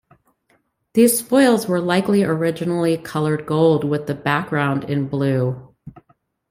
These spoils were likely originally colored gold, with the background in blue.